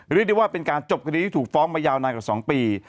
เรียกได้ว่าเป็นการจบคดีที่ถูกฟ้องมายาวนานกว่า๒ปี